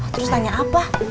terus tanya apa